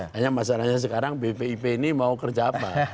hanya masalahnya sekarang bpip ini mau kerja apa